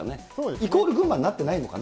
イコール群馬になっていないのかな。